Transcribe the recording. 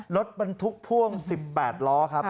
รถบรรทุกพ่วง๑๘ล้อครับ